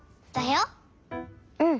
うん！